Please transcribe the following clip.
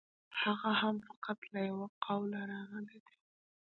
هغه هم فقط له یوه قوله راغلی دی.